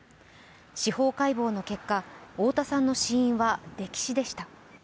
司法解剖の結果、太田さんの死因は溺死でした。